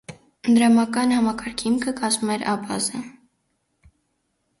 Դրամական համակարգի հիմքը կազմում էր աբազը։